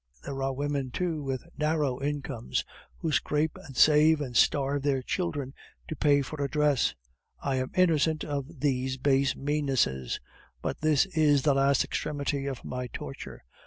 There are women, too, with narrow incomes, who scrape and save and starve their children to pay for a dress. I am innocent of these base meannesses. But this is the last extremity of my torture.